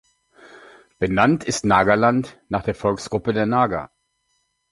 Benannt ist Nagaland nach der Volksgruppe der Naga.